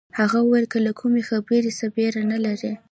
هغه وویل که له کومې خبرې څه بېره نه لرئ.